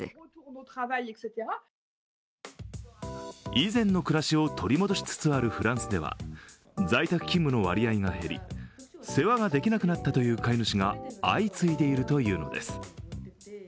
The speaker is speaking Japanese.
以前の暮らしを取り戻しつつあるフランスでは在宅勤務の割合が減り、世話ができなくなったという飼い主が相次いでいるというのです。